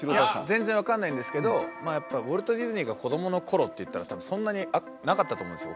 全然分かんないんですけどやっぱウォルト・ディズニーが子供の頃っていったら多分そんなになかったと思うんですよ